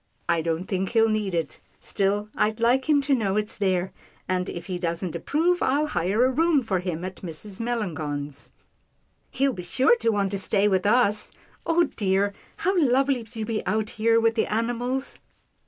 "I don't think he'll need it, still I'd like him 258 'TILDA JANE'S ORPHANS to know it's there, and if he doesn't approve, I'll hire a room for him at Mrs. Melangon's." " He'll be sure to want to stay with us — Oh dear! how lovely to be out here with the animals."